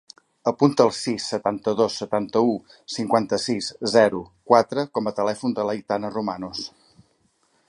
Apunta el sis, setanta-dos, setanta-u, cinquanta-sis, zero, quatre com a telèfon de l'Aitana Romanos.